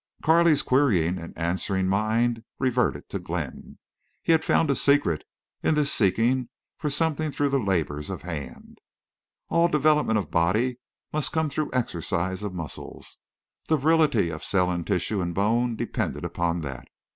Carley's querying and answering mind reverted to Glenn. He had found a secret in this seeking for something through the labor of hands. All development of body must come through exercise of muscles. The virility of cell in tissue and bone depended upon that.